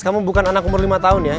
kamu bukan anak umur lima tahun ya